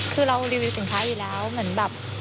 คือเรารีวิวสินค้าอยู่แล้วเหมือนแบบ